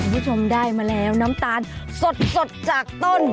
คุณผู้ชมได้มาแล้วน้ำตาลสดจากต้น